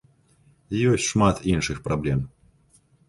Ёсць шмат іншых праблем.